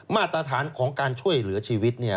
มาตรฐานของการช่วยเหลือชีวิตเนี่ย